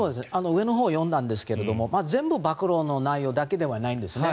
上の本読んだんですが全部暴露の内容じゃないんですね。